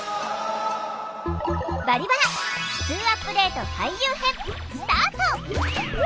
「バリバラふつうアップデート俳優編」スタート！